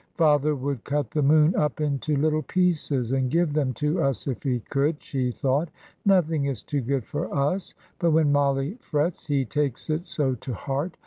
"Father would cut the moon up into little pieces and give them to us, if he could," she thought; "nothing is too good for us. But when Mollie frets he takes it so to heart.